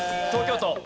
東京都。